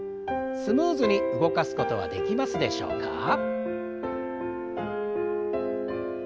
スムーズに動かすことはできますでしょうか？